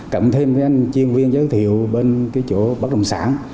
cộng thêm với anh chiên viên giới thiệu bên cái chỗ bất đồng sản